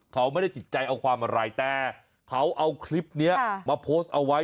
เขาไม่ได้ติดใจเอาความอะไรแต่เขาเอาคลิปนี้มาโพสต์เอาไว้